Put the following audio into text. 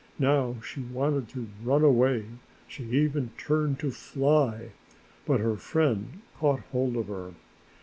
Now she wanted to run away, she even turned to fly, when her friend caught hold of her.